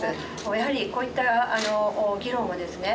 やはりこういった議論をですね